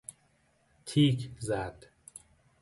تیک زد